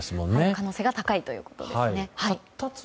可能性が高いということですね。